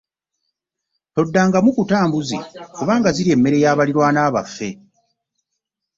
Toddangamu kuta mbuzi kubanga zirya emmere ya balirwana baaffe.